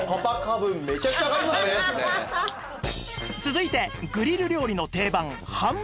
続いてグリル料理の定番ハンバーグ